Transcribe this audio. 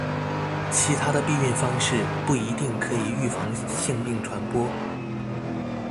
其他的避孕方式不一定可以预防性病传播。